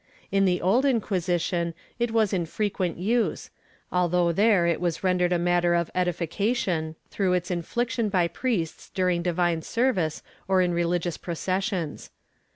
In the Old Inquisition it was in frequent use, although there it was rendered a matter of edifi cation, through its infliction by priests during divine service or in religious processions.